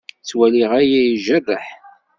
Ttwaliɣ aya ijerreḥ.